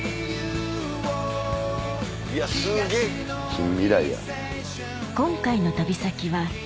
近未来や。